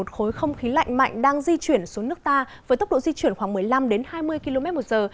khối không khí lạnh mạnh đang di chuyển xuống nước ta với tốc độ di chuyển khoảng một mươi năm hai mươi km một giờ